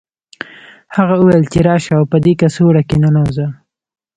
هغه وویل چې راشه او په دې کڅوړه کې ننوځه